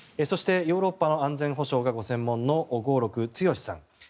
そしてヨーロッパの安全保障がご専門の合六強さん。